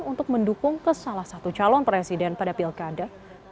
untuk mendukung ke salah satu calon presiden pada pilkada dua ribu dua puluh empat